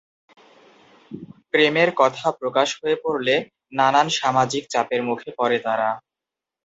প্রেমের কথা প্রকাশ হয়ে পড়লে নানান সামাজিক চাপের মুখে পড়ে তারা।